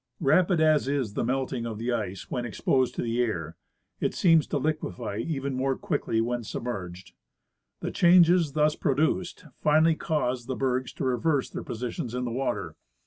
Rapid as is the Delayed by Icebergs. 103 melting of the ice when exposed to the air, it seems to hquefy even more quickly when submerged. The changes thus pro duced finally cause the bergs to reverse their positions in the water.